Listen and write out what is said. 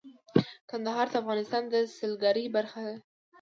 کندهار د افغانستان د سیلګرۍ برخه ده.